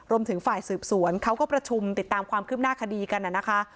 รวมถึงฝ่ายสืบสวนเขาก็ประชุมติดตามความคืบหน้าคดีกันนะคะ